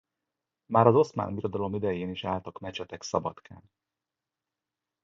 Már az Oszmán Birodalom idején is álltak mecsetek Szabadkán.